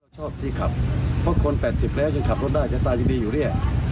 ชอบที่ขับเพราะคนแปดสิบแล้วยังขับรถได้จะตายยิ่งดีอยู่เรียก